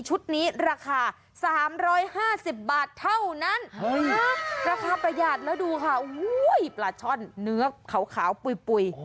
นี้ราคา๓๕๐บาทเท่านั้นราคาประหยัดแล้วดูค่ะปลาช่อนเนื้อขาวปุ๋ย